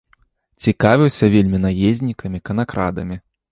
Цікавіўся вельмі наезнікамі, канакрадамі.